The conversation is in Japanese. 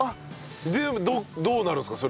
でどうなるんですか？